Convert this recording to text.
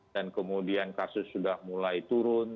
dan kemudian kasus sudah mulai turun